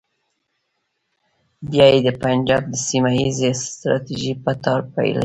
بیا یې د پنجاب د سیمه ییزې ستراتیژۍ په تار پېیلې.